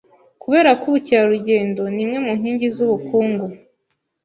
Kubera ko ubukerarugendo ni imwe mu nkingi z’ubukungu